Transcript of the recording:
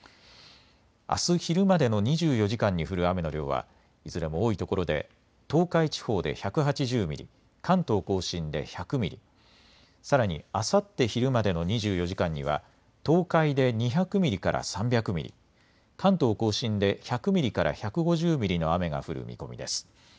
あす昼までの２４時間に降る雨の量は、いずれも多いところで東海地方で１８０ミリ、関東甲信で１００ミリ、さらにあさって昼までの２４時間には東海で２００ミリから３００ミリ、関東甲信で１００ミリから１５０ミリの雨が降る見込みです。